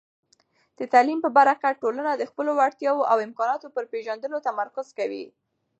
د تعلیم په برکت، ټولنه د خپلو وړتیاوو او امکاناتو پر پېژندلو تمرکز کوي.